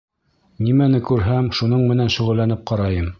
— Нимәне күрһәм, шуның менән шөғөлләнеп ҡарайым.